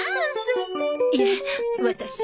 いえワタシ別に。